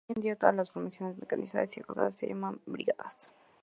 Hoy en día, todas las formaciones mecanizadas y acorazadas son llamadas brigadas.